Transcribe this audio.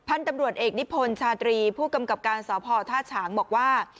พันธุ์ตำรวจเอกนิพนธ์ชาดรีผู้กำกลับการสหพธาตุฉางบอกว่า